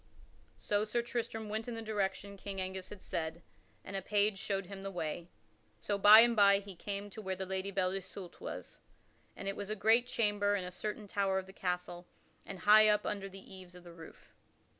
So Sir Tristram went in the direction King Angus had said, and a page showed him the way. So by and by he came to where the Lady Belle Isoult was, and it was a great chamber in a certain tower of the castle and high up Under the eaves of the roof.